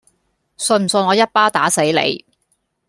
信唔信我一巴打死你